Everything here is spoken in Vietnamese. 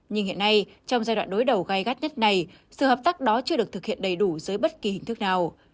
nhưng hiện nay trong giai đoạn đối đầu gai gắt nhất này sự hợp tác đó chưa được thực hiện đầy đủ dưới bất kỳ hình thức nào